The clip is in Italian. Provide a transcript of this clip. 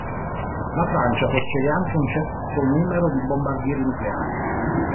La Francia possiede anche un certo numero di bombardieri nucleari.